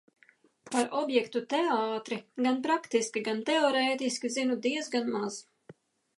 Par objektu teātri gan praktiski, gan teorētiski zinu diezgan maz.